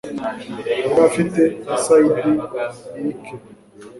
Yari afite aside irike